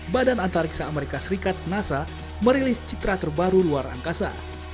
badan antariksa amerika serikat nasa merilis citra terbaru luar angkasa